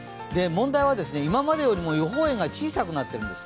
問題は、今までよりも予報円が小さくなっているんです。